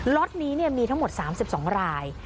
็อตนี้มีทั้งหมด๓๒ราย